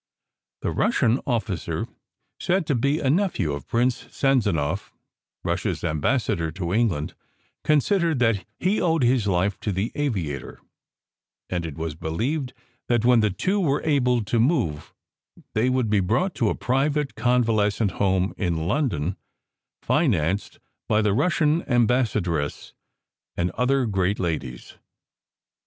The Russian officer (said to be a nephew of Prince Sanzanow, Russia s ambassador to England) considered that he owed his life to the aviator; and it was believed that when the two were able to move they would be brought to a private convalescent home in London, financed by the Russian ambassadress and other great ladies.